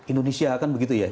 indonesia kan begitu ya